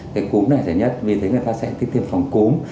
cái cúm này xảy ra nhất vì thế người ta sẽ tìm phòng cúm